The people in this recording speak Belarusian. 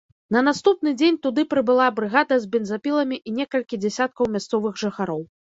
На наступны дзень туды прыбыла брыгада з бензапіламі і некалькі дзясяткаў мясцовых жыхароў.